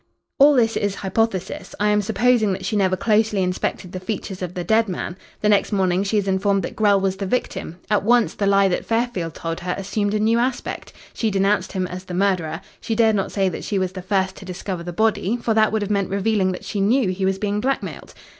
"All this is hypothesis. I am supposing that she never closely inspected the features of the dead man. The next morning she is informed that Grell was the victim. At once the lie that Fairfield told her assumed a new aspect. She denounced him as the murderer. She dared not say that she was the first to discover the body, for that would have meant revealing that she knew he was being blackmailed.